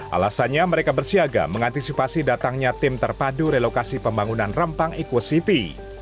alasannya mereka bersiaga mengantisipasi datangnya tim terpadu relokasi pembangunan rempang eco city